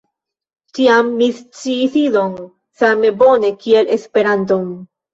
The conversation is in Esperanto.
Tiam mi sciis Idon same bone kiel Esperanton.